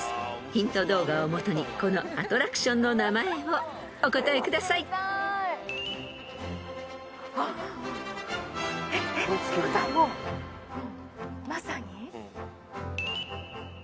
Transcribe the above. ［ヒント動画をもとにこのアトラクションの名前をお答えください］ってことはもうまさに？